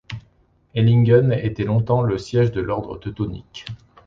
Ellingen était longtemps le siège de la Ordre Teutonique.